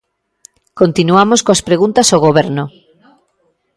Continuamos coas preguntas ao Goberno.